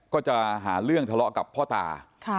ก็จะหาเรื่องทะเลาะกับพ่อตา